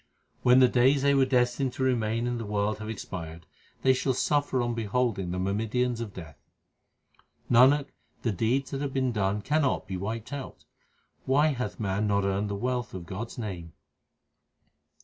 When the days they were destined to remain in the world have expired, they shall suffer on beholding the myrmidons of Death. Nanak, the deeds that have been done cannot be wiped out ; why hath man not earned the wealth of God s name